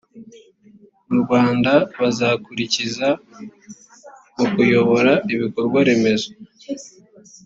mu rwanda bazakurikiza mu kuyobora ibikorwa remezo